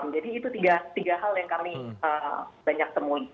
jadi itu tiga hal yang kami banyak temui